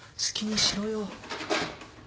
好きにしろよ。